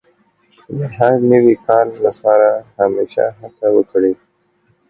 د هر نوي کار لپاره همېشه هڅه وکړئ.